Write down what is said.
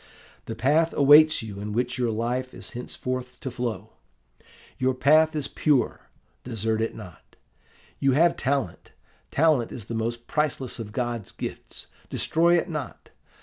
'The path awaits you in which your life is henceforth to flow. Your path is pure desert it not. You have talent: talent is the most priceless of God's gifts destroy it not.